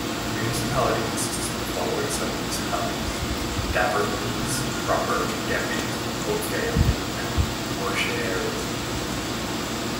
The municipality consists of the following sub-municipalities: Daverdisse proper, Gembes, Haut-Fays, and Porcheresse.